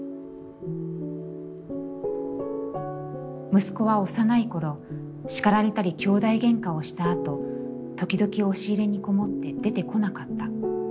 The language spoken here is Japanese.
「息子は幼い頃、叱られたり、きょうだいげんかをした後、ときどき押し入れにこもって出てこなかった。